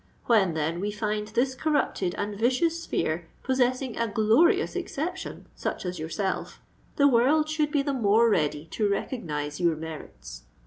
When, then, we find this corrupted and vicious sphere possessing a glorious exception such as yourself, the world should be the more ready to recognise your merits.